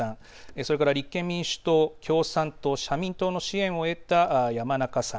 それから立憲民主党共産党、社民等の支援を得た山中さん